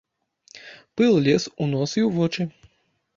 Пыл лез у нос і ў вочы.